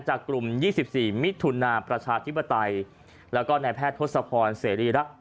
กลุ่ม๒๔มิถุนาประชาธิปไตยแล้วก็นายแพทย์ทศพรเสรีรักษ